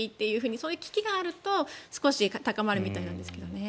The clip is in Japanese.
そういう危機があると、少し高まるみたいなんですけどね。